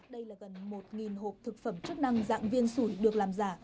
đây là gần một hộp thực phẩm chức năng dạng viên sủi được làm giả